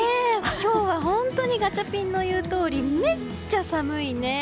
今日は本当にガチャピンの言うとおりめっちゃ寒いね。